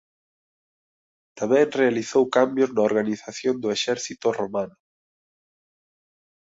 Tamén realizou cambios na organización do exército romano.